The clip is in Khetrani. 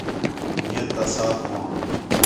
نیّت تا صاف ہووݨ